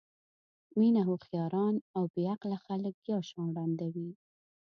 مینه هوښیاران او بې عقله خلک یو شان ړندوي.